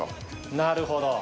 なるほど。